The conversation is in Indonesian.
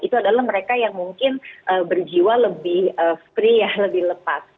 itu adalah mereka yang mungkin berjiwa lebih free lebih lepas